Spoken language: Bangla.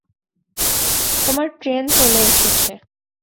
তোমার ট্রেন চলে এসেছে।